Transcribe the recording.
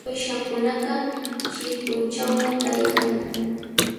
Uyshakunaqa chikunchawmi kaykan.